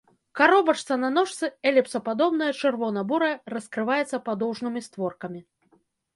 Каробачка на ножцы, эліпсападобная, чырвона-бурая, раскрываецца падоўжнымі створкамі.